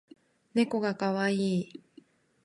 ねこがかわいい